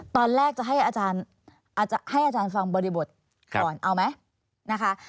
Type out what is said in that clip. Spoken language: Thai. ตอนแรกจะให้อาจารย์ฟังบริบทก่อนเอาไหม